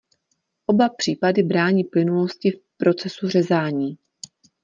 Oba případy brání plynulosti v procesu řezání.